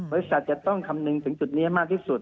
จะต้องคำนึงถึงจุดนี้มากที่สุด